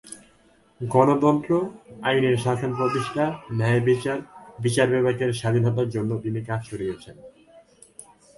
গণতন্ত্র, আইনের শাসন প্রতিষ্ঠা, ন্যায়বিচার, বিচার বিভাগের স্বাধীনতার জন্য তিনি কাজ করে গেছেন।